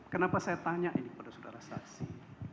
kenapa saya tanya ini kepada saudara saksi